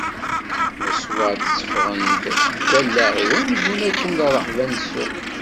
Leṣwat tteffɣen-d seg wallaɣ-iw amzun akken d rreḥba n ssuq.